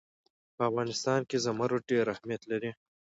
په افغانستان کې زمرد ډېر اهمیت لري.